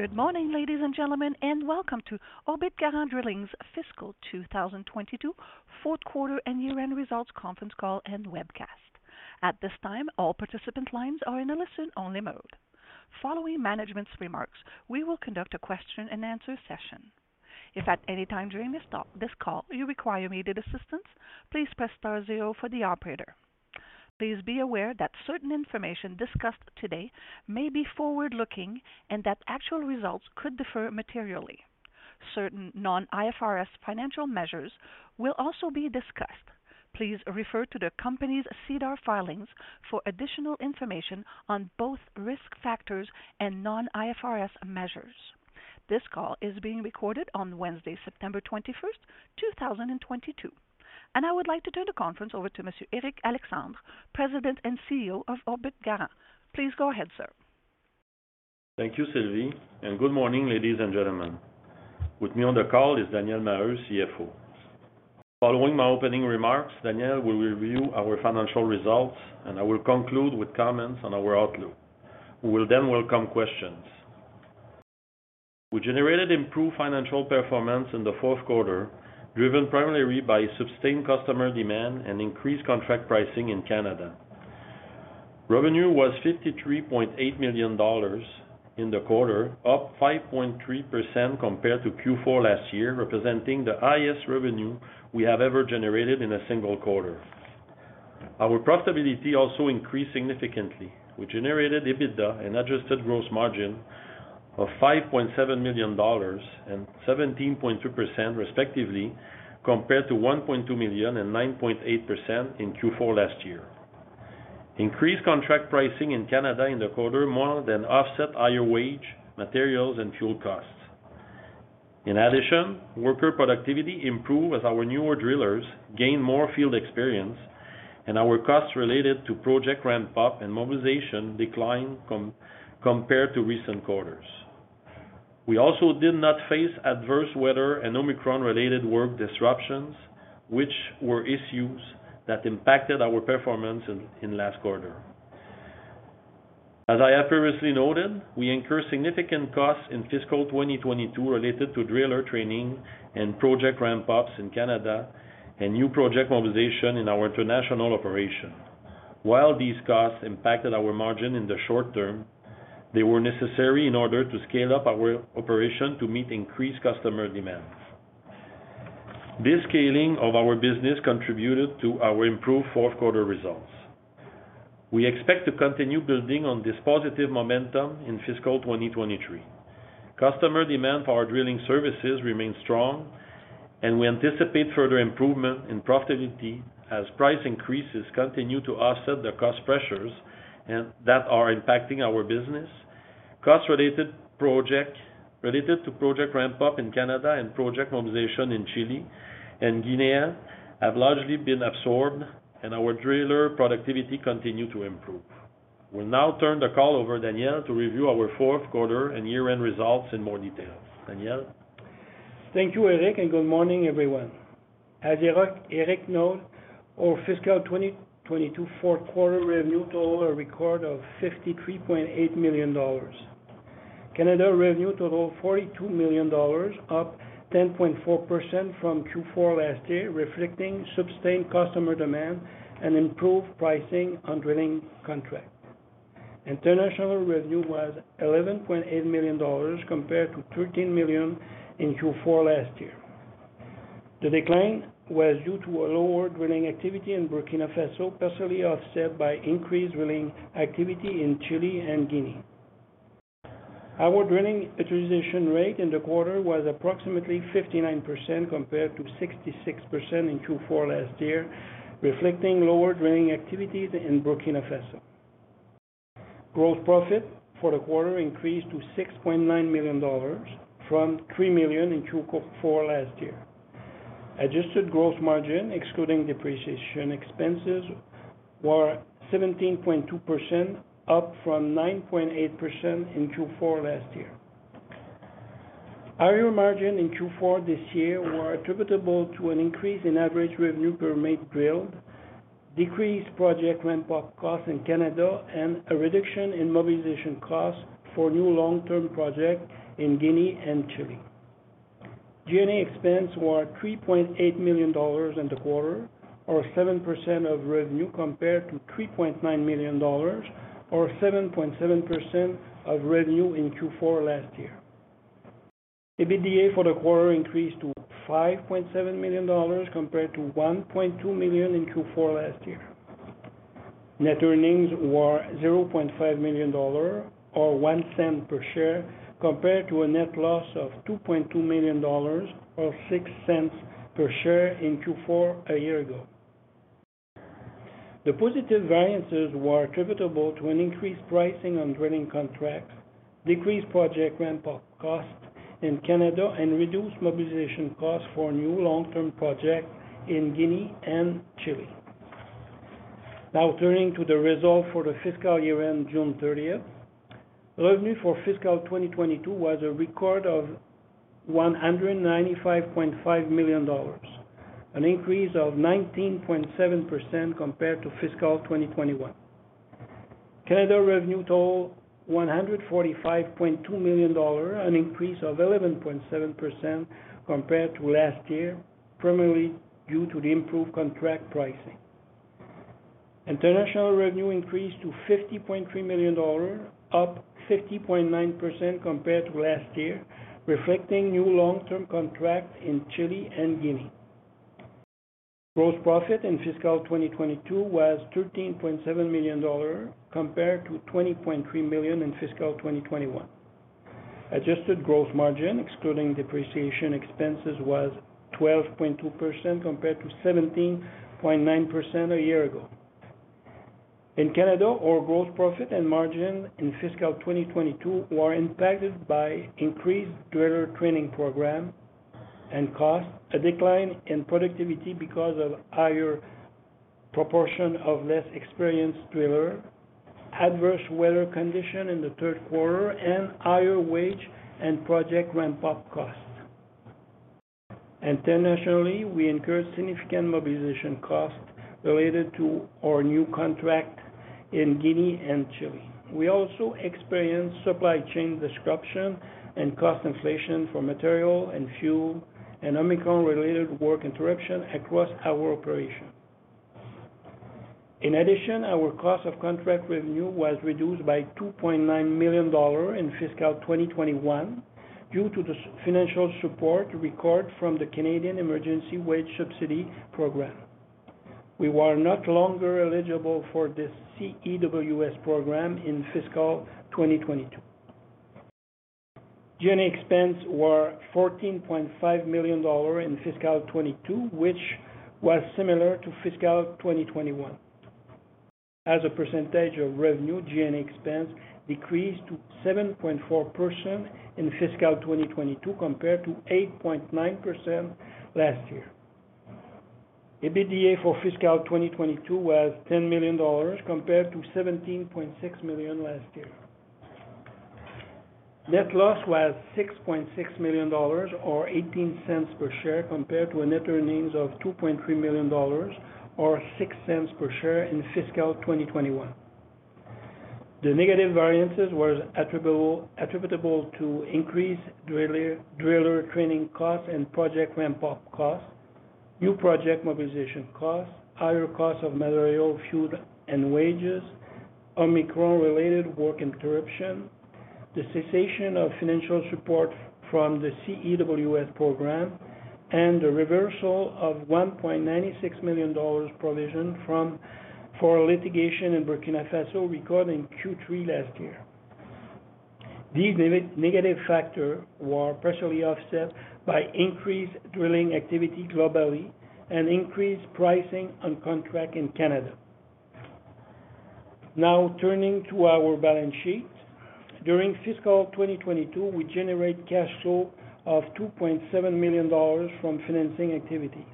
Good morning, ladies and gentlemen, and welcome to Orbit Garant Drilling's Fiscal 2022 Fourth Quarter And Year-end Results Conference Call And Webcast. At this time, all participant lines are in a listen-only mode. Following management's remarks, we will conduct a question-and-answer session. If at any time during this talk, this call you require immediate assistance, please press star zero for the operator. Please be aware that certain information discussed today may be forward-looking and that actual results could differ materially. Certain non-IFRS financial measures will also be discussed. Please refer to the company's SEDAR filings for additional information on both risk factors and non-IFRS measures. This call is being recorded on Wednesday, September 21st, 2022. I would like to turn the conference over to Monsieur Éric Alexandre, President and CEO of Orbit Garant. Please go ahead, sir. Thank you, Sylvie, and good morning, ladies and gentlemen. With me on the call is Daniel Maheu, CFO. Following my opening remarks, Daniel will review our financial results, and I will conclude with comments on our outlook. We will then welcome questions. We generated improved financial performance in the fourth quarter, driven primarily by sustained customer demand and increased contract pricing in Canada. Revenue was 53.8 million dollars in the quarter, up 5.3% compared to Q4 last year, representing the highest revenue we have ever generated in a single quarter. Our profitability also increased significantly. We generated EBITDA and adjusted gross margin of 5.7 million dollars and 17.2% respectively, compared to 1.2 million and 9.8% in Q4 last year. Increased contract pricing in Canada in the quarter more than offset higher wage, materials, and fuel costs. In addition, worker productivity improved as our newer drillers gained more field experience and our costs related to project ramp-up and mobilization declined compared to recent quarters. We also did not face adverse weather and Omicron-related work disruptions, which were issues that impacted our performance in last quarter. As I have previously noted, we incurred significant costs in fiscal 2022 related to driller training and project ramp-ups in Canada and new project mobilization in our international operation. While these costs impacted our margin in the short term, they were necessary in order to scale up our operation to meet increased customer demands. This scaling of our business contributed to our improved fourth-quarter results. We expect to continue building on this positive momentum in fiscal 2023. Customer demand for our drilling services remains strong, and we anticipate further improvement in profitability as price increases continue to offset the cost pressures and that are impacting our business. Costs related to project ramp-up in Canada and project mobilization in Chile and Guinea have largely been absorbed, and our drillers' productivity continues to improve. I will now turn the call over to Daniel to review our fourth quarter and year-end results in more detail. Daniel? Thank you, Éric, and good morning, everyone. As Éric noted, our fiscal 2022 fourth quarter revenue totaled a record of 53.8 million dollars. Canada revenue totaled 42 million dollars, up 10.4% from Q4 last year, reflecting sustained customer demand and improved pricing on drilling contracts. International revenue was 11.8 million dollars compared to 13 million in Q4 last year. The decline was due to a lower drilling activity in Burkina Faso, partially offset by increased drilling activity in Chile and Guinea. Our drilling utilization rate in the quarter was approximately 59% compared to 66% in Q4 last year, reflecting lower drilling activities in Burkina Faso. Gross profit for the quarter increased to 6.9 million dollars from 3 million in Q4 last year. Adjusted gross margin excluding depreciation expenses were 17.2%, up from 9.8% in Q4 last year. Higher margin in Q4 this year were attributable to an increase in average revenue per meter drilled, decreased project ramp-up costs in Canada, and a reduction in mobilization costs for new long-term projects in Guinea and Chile. G&A expense were 3.8 million dollars in the quarter, or 7% of revenue, compared to 3.9 million dollars or 7.7% of revenue in Q4 last year. EBITDA for the quarter increased to 5.7 million dollars compared to 1.2 million in Q4 last year. Net earnings were 0.5 million dollar or 0.01 per share, compared to a net loss of 2.2 million dollars or 0.06 per share in Q4 a year ago. The positive variances were attributable to an increased pricing on drilling contracts, decreased project ramp-up costs in Canada, and reduced mobilization costs for new long-term projects in Guinea and Chile. Now, turning to the results for the fiscal year-end, June 30th. Revenue for fiscal 2022 was a record of CAD 195.5 million. An increase of 19.7% compared to fiscal 2021. Canada revenue totaled 145.2 million dollars, an increase of 11.7% compared to last year, primarily due to the improved contract pricing. International revenue increased to 50.3 million dollars, up 50.9% compared to last year, reflecting new long-term contracts in Chile and Guinea. Gross profit in fiscal 2022 was 13.7 million dollar compared to 20.3 million in fiscal 2021. Adjusted gross margin, excluding depreciation expenses, was 12.2% compared to 17.9% a year ago. In Canada, our gross profit and margin in fiscal 2022 were impacted by increased driller training program and costs, a decline in productivity because of higher proportion of less experienced drillers, adverse weather conditions in the third quarter, and higher wage and project ramp-up costs. Internationally, we incurred significant mobilization costs related to our new contract in Guinea and Chile. We also experienced supply chain disruption and cost inflation for material and fuel and Omicron-related work interruption across our operations. In addition, our cost of contract revenue was reduced by 2.9 million dollars in fiscal 2021 due to the financial support we received from the Canada Emergency Wage Subsidy Program. We were no longer eligible for this CEWS program in fiscal 2022. G&A expense were 14.5 million dollars in fiscal 2022, which was similar to fiscal 2021. As a percentage of revenue, G&A expense decreased to 7.4% in fiscal 2022 compared to 8.9% last year. EBITDA for fiscal 2022 was 10 million dollars compared to 17.6 million last year. Net loss was 6.6 million dollars or 0.18 per share compared to a net earnings of 2.3 million dollars or 0.06 per share in fiscal 2021. The negative variances was attributable to increased driller training costs and project ramp-up costs, new project mobilization costs, higher costs of material, fuel, and wages, Omicron-related work interruption, the cessation of financial support from the CEWS program, and the reversal of 1.96 million dollars provision for litigation in Burkina Faso recorded in Q3 last year. These negative factor were partially offset by increased drilling activity globally and increased pricing on contract in Canada. Now turning to our balance sheet. During fiscal 2022, we generated cash flow of 2.7 million dollars from financing activities.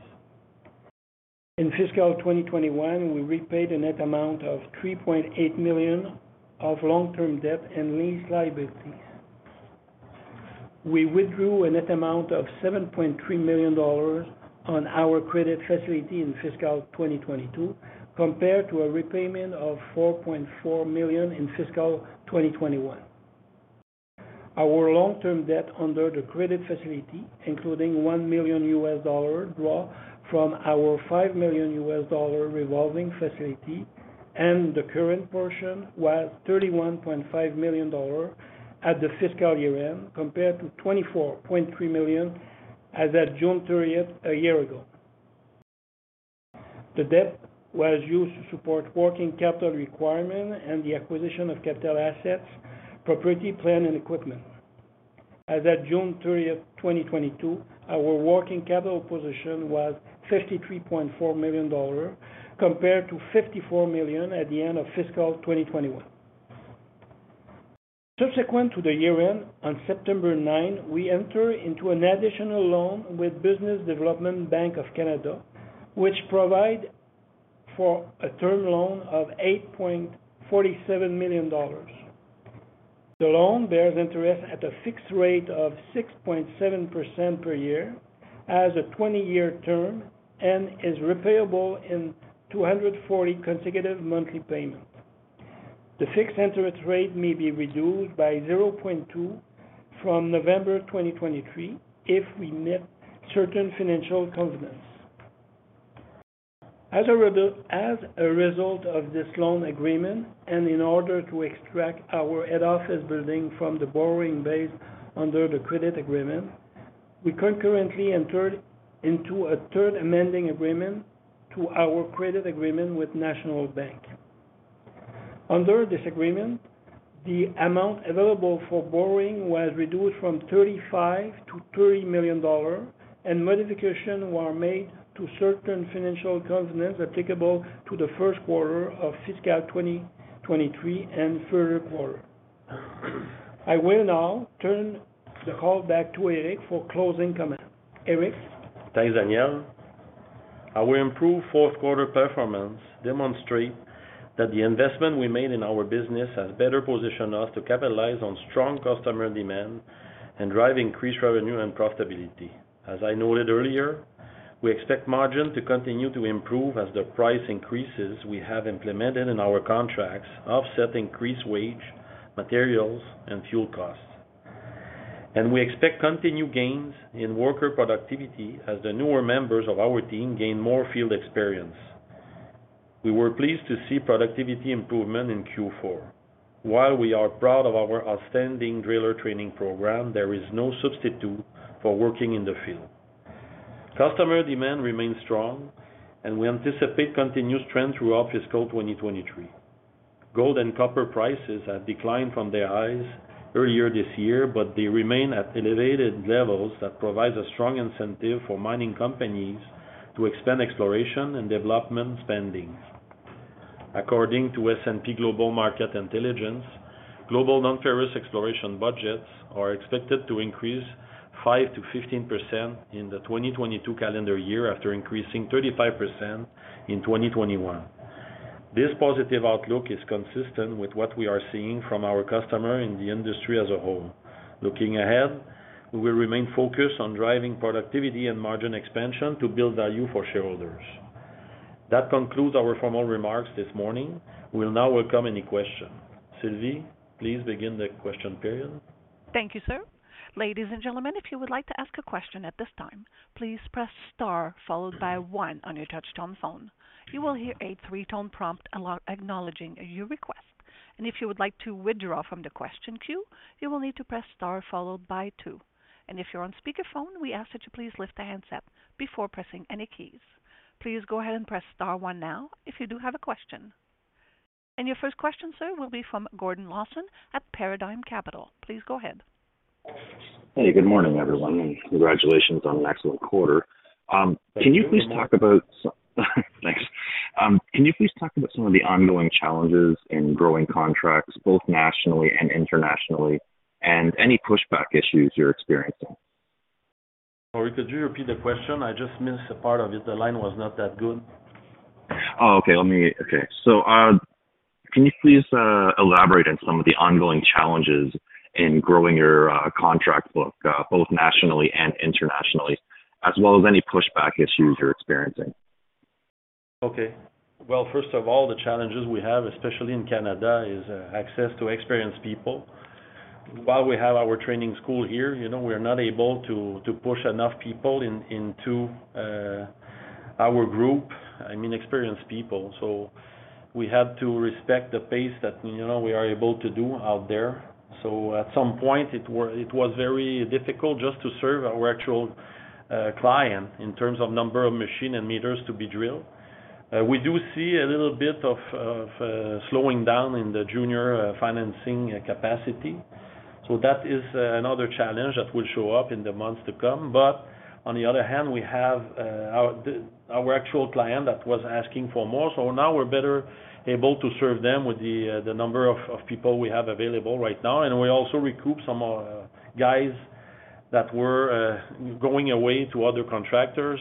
In fiscal 2021, we repaid a net amount of 3.8 million of long-term debt and lease liabilities. We withdrew a net amount of 7.3 million dollars on our credit facility in fiscal 2022 compared to a repayment of 4.4 million in fiscal 2021. Our long-term debt under the credit facility, including $1 million draw from our $5 million revolving facility and the current portion was 31.5 million dollars at the fiscal year-end, compared to 24.3 million as at June 30th a year ago. The debt was used to support working capital requirement and the acquisition of capital assets, property, plant, and equipment. As at June 30th, 2022, our working capital position was 53.4 million dollars compared to 54 million at the end of fiscal 2021. Subsequent to the year-end, on September 9, we entered into an additional loan with Business Development Bank of Canada, which provide for a term loan of 8.47 million dollars. The loan bears interest at a fixed rate of 6.7% per year as a 20-year term and is repayable in 240 consecutive monthly payments. The fixed interest rate may be reduced by 0.2 from November 2023 if we meet certain financial covenants. As a result of this loan agreement, and in order to extract our head office building from the borrowing base under the credit agreement, we concurrently entered into a third amending agreement to our credit agreement with National Bank. Under this agreement, the amount available for borrowing was reduced from 35 million to 30 million dollars, and modifications were made to certain financial covenants applicable to the first quarter of fiscal 2023 and further quarter. I will now turn the call back to Éric for closing comment. Éric? Thanks, Daniel. Our improved fourth quarter performance demonstrate that the investment we made in our business has better positioned us to capitalize on strong customer demand and drive increased revenue and profitability. As I noted earlier, we expect margin to continue to improve as the price increases we have implemented in our contracts offset increased wage, materials, and fuel costs. We expect continued gains in worker productivity as the newer members of our team gain more field experience. We were pleased to see productivity improvement in Q4. While we are proud of our outstanding driller training program, there is no substitute for working in the field. Customer demand remains strong and we anticipate continuous trend throughout fiscal 2023. Gold and copper prices have declined from their highs earlier this year, but they remain at elevated levels. That provides a strong incentive for mining companies to expand exploration and development spending. According to S&P Global Market Intelligence, global non-ferrous exploration budgets are expected to increase 5%-15% in the 2022 calendar year after increasing 35% in 2021. This positive outlook is consistent with what we are seeing from our customer in the industry as a whole. Looking ahead, we will remain focused on driving productivity and margin expansion to build value for shareholders. That concludes our formal remarks this morning. We'll now welcome any question. Sylvie, please begin the question period. Thank you, sir. Ladies and gentlemen, if you would like to ask a question at this time, please press star followed by one on your touchtone phone. You will hear a three-tone prompt acknowledging your request. If you would like to withdraw from the question queue, you will need to press star followed by two. If you're on speakerphone, we ask that you please lift the handset before pressing any keys. Please go ahead and press star one now if you do have a question. Your first question, sir, will be from Gordon Lawson at Paradigm Capital. Please go ahead. Hey, good morning, everyone, and congratulations on an excellent quarter. Can you please talk about some of the ongoing challenges in growing contracts, both nationally and internationally, and any pushback issues you're experiencing? Sorry, could you repeat the question? I just missed a part of it. The line was not that good. Can you please elaborate on some of the ongoing challenges in growing your contract book, both nationally and internationally, as well as any pushback issues you're experiencing? Okay. Well, first of all, the challenges we have, especially in Canada, is access to experienced people. While we have our training school here, you know, we are not able to push enough people in, into our group. I mean, experienced people. We had to respect the pace that, you know, we are able to do out there. At some point it was very difficult just to serve our actual client in terms of number of machine and meters to be drilled. We do see a little bit of slowing down in the junior financing capacity. That is another challenge that will show up in the months to come. On the other hand, we have our actual client that was asking for more, so now we're better able to serve them with the number of people we have available right now. We also recoup some guys that were going away to other contractors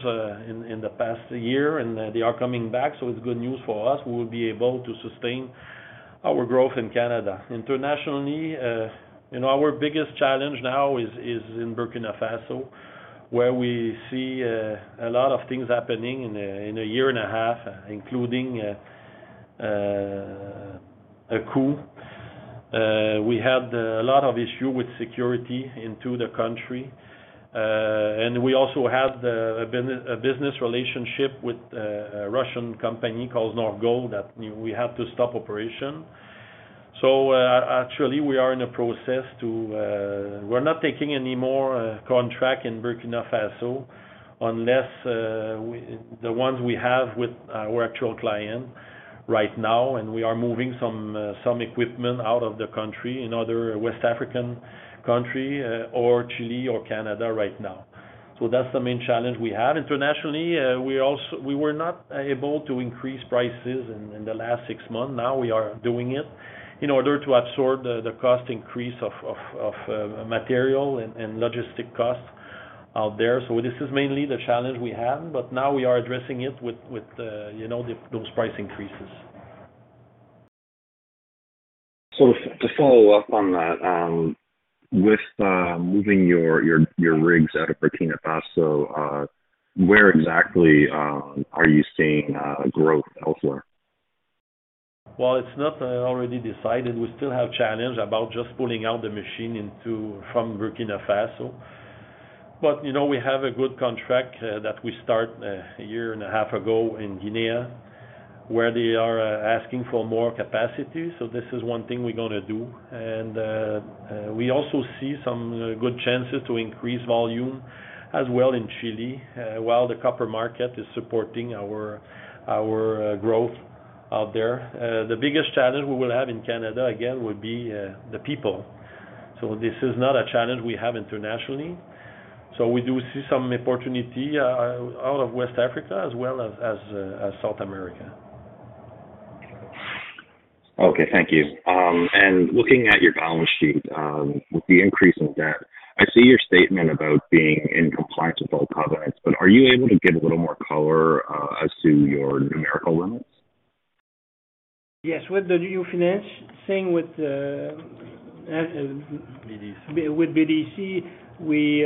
in the past year, and they are coming back, so it's good news for us. We will be able to sustain our growth in Canada. Internationally, our biggest challenge now is in Burkina Faso, where we see a lot of things happening in a year and a half, including a coup. We had a lot of issue with security into the country. We also had a business relationship with a Russian company called Nordgold that we have to stop operation. Actually we are in a process to. We're not taking any more contract in Burkina Faso unless the ones we have with our actual client right now, and we are moving some equipment out of the country in other West African country, or Chile or Canada right now. That's the main challenge we have. Internationally, we also were not able to increase prices in the last six months. Now we are doing it in order to absorb the cost increase of material and logistic costs out there. This is mainly the challenge we have, but now we are addressing it with you know, those price increases. To follow up on that, with moving your rigs out of Burkina Faso, where exactly are you seeing growth elsewhere? Well, it's not already decided. We still have challenge about just pulling out the machine from Burkina Faso. You know, we have a good contract that we start a year and a half ago in Guinea, where they are asking for more capacity, so this is one thing we're gonna do. We also see some good chances to increase volume as well in Chile while the copper market is supporting our growth out there. The biggest challenge we will have in Canada, again, would be the people. This is not a challenge we have internationally. We do see some opportunity out of West Africa as well as South America. Okay. Thank you. Looking at your balance sheet, with the increase in debt, I see your statement about being in compliance with all covenants, but are you able to give a little more color as to your numerical limits? Yes. With the new financing, same with BDC. With BDC, we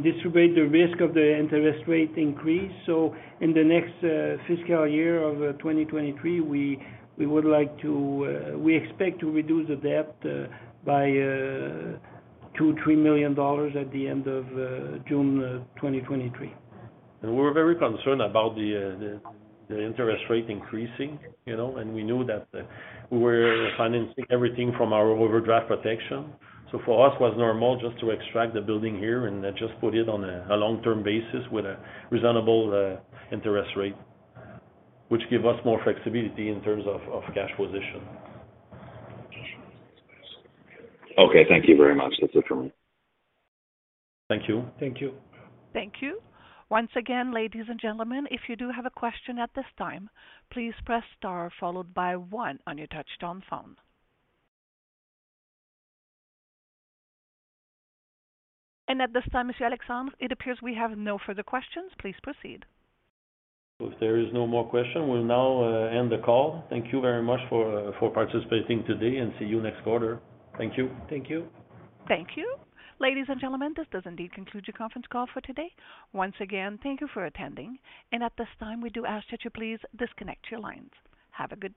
distribute the risk of the interest rate increase. In the next fiscal year of 2023, we expect to reduce the debt by 2-3 million dollars at the end of June 2023. We're very concerned about the interest rate increasing, you know, and we knew that we were financing everything from our overdraft protection. For us was normal just to extract the building here and just put it on a long-term basis with a reasonable interest rate, which give us more flexibility in terms of cash position. Okay. Thank you very much. That's it for me. Thank you. Thank you. Thank you. Once again, ladies and gentlemen, if you do have a question at this time, please press star followed by one on your touchtone phone. At this time, Monsieur Éric Alexandre, it appears we have no further questions. Please proceed. If there is no more question, we'll now end the call. Thank you very much for participating today, and see you next quarter. Thank you. Thank you. Thank you. Ladies and gentlemen, this does indeed conclude your conference call for today. Once again, thank you for attending, and at this time, we do ask that you please disconnect your lines. Have a good day.